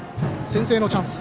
先制のチャンス。